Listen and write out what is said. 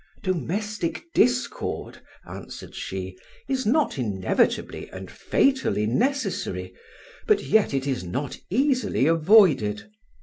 "Domestic discord," answered she, "is not inevitably and fatally necessary, but yet it is not easily avoided.